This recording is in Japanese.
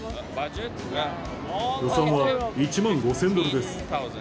予算は１万５０００ドルです。